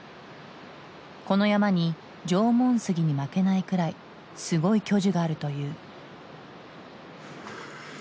この山に縄文杉に負けないくらいすごい巨樹があるという。